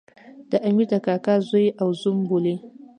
د امیر د کاکا زوی او زوم بولي.